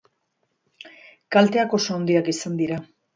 Kalteak oso handiak izan dira.